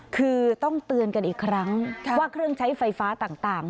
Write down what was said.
คือต้องเตือนกันอีกครั้งว่าเครื่องใช้ไฟฟ้าต่าง